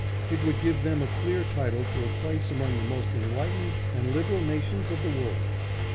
It would give them a clear title to a place among the most enlightened and liberal nations of the world.